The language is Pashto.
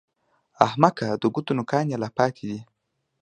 احمقه! د ګوتو نوکان يې لا پاتې دي!